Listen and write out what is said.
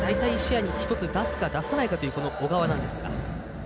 大体１試合に１つ出すか出さないかという小川です。